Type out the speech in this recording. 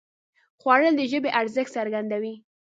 خوړل د ژبې ارزښت څرګندوي